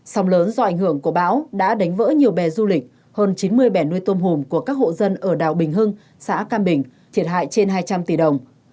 sông lớn do ảnh hưởng của bão đã đánh vỡ nhiều bè du lịch hơn chín mươi bẻ nuôi tôm hùm của các hộ dân ở đảo bình hưng xã cam bình thiệt hại trên hai trăm linh tỷ đồng